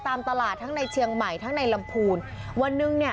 ตามตลาดทั้งในเชียงใหม่ทั้งในลำพูน